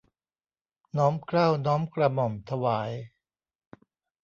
น้อมเกล้าน้อมกระหม่อมถวาย